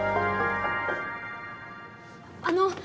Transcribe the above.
あの！